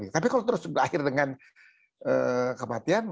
tapi kalau terus berakhir dengan kematian